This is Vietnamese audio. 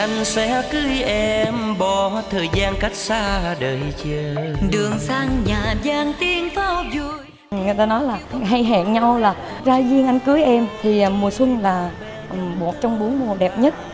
người ta nói là hay hẹn nhau là ra duyên anh cưới em thì mùa xuân là một trong bốn mùa đẹp nhất